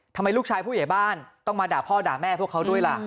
ทำไมลูกชายผู้ใหญ่บ้านต้องมาด่าพ่อด่าแม่พวกเขาด้วยล่ะ